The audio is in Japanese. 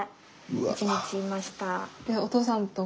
１日いました。